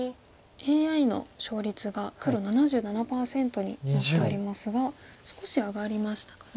ＡＩの勝率が黒７７％になっておりますが少し上がりましたかね。